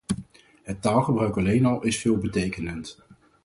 Het taalgebruik alleen al is veelbetekenend.